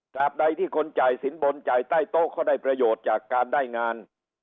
ใดที่คนจ่ายสินบนจ่ายใต้โต๊ะเขาได้ประโยชน์จากการได้งาน